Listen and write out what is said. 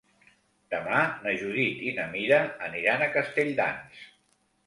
Demà na Judit i na Mira aniran a Castelldans.